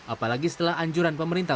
apalagi setelah anjuran pemerintah